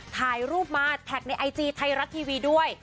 ถ่ายรูปมาแท็กในไอจีไทยรัฐทีวีด้วย